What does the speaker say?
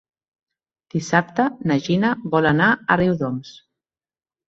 Dissabte na Gina vol anar a Riudoms.